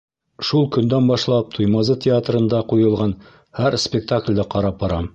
Шул көндән башлап Туймазы театрында ҡуйылған һәр спектаклде ҡарап барам.